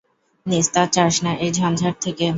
নিস্তার চাস না এই ঝঞ্ঝাট থেকে?